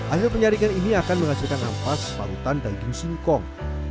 asal penyarikan ini akan menghasilkan ampas palutan daging singkong